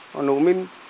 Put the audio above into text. họ nổ minh